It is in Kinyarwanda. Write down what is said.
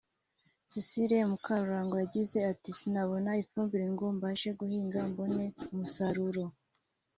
Cécile Mukarurangwa yagize ati “Sinabonaga ifumbire ngo mbashe guhinga mbone umusaruro